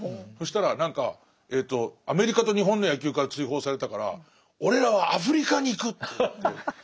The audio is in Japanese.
そしたら何かアメリカと日本の野球から追放されたから俺らはアフリカに行くっていって。